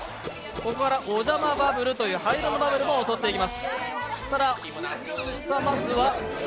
ここからお邪魔バブルという灰色のバブルも襲ってきます。